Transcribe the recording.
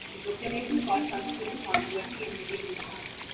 The proclamation caused considerable controversy and debate in France.